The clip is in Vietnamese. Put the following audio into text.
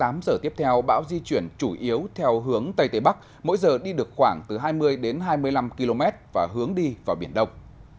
trong tám giờ tiếp theo bão di chuyển chủ yếu theo hướng tây tây bắc mỗi giờ đi được khoảng từ hai mươi đến hai mươi năm km và hướng đi vào biển đông